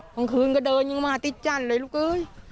กลางคืนก็เดินยังมาติดจั้นเลยลูกเอ้ย